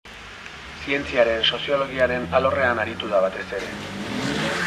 Zientziaren soziologiaren alorrean aritu da batez ere.